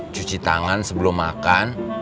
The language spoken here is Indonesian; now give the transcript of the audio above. cuci tangan sebelum makan